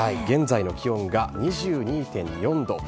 現在の気温が２２．４度。